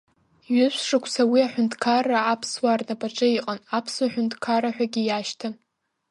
Ҩышә шықәса уи аҳәынҭқарра аԥсуаа рнапаҿы иҟан, Аԥсуа ҳәынҭқарра ҳәагьы иашьҭан.